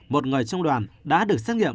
một người trong đoàn đã được xét nghiệm